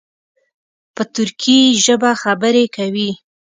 په ترکي ژبه خبرې کوي.